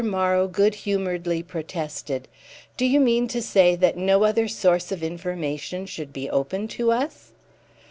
Morrow good humouredly protested. "Do you mean to say that no other source of information should be open to us?"